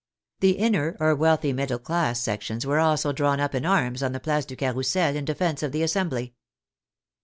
The inner or wealthy mid dle class sections were also drawn up in arms on the Place du Carrousel in defence of the Assembly.